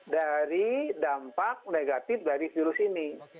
dari dampak negatif dari virus ini